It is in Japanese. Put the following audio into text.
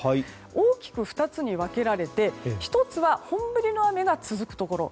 大きく２つに分けられて１つは本降りの雨が続くところ。